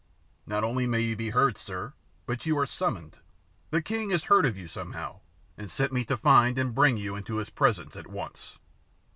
"Not only may you be heard, sir, but you are summoned. The king has heard of you somehow, and sent me to find and bring you into his presence at once."